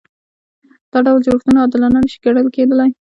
دا ډول جوړښتونه عادلانه نشي ګڼل کېدای.